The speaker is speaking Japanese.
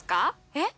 えっ？